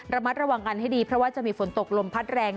ระมัดระวังกันให้ดีเพราะว่าจะมีฝนตกลมพัดแรง